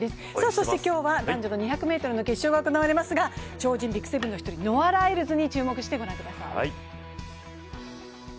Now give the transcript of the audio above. そして今日は男女の２００ｍの決勝が行われますが超人ＢＩＧ７の一人、ノア・ライルズに注目して御覧ください。